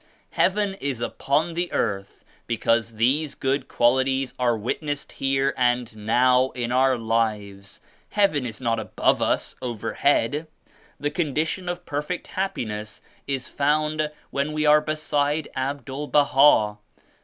Heaven is upon the earth because these good qualities are witnessed here and now in our lives. Heaven is not above us, overhead. The condi tion of perfect happiness is found when we are beside ABDUL Baha.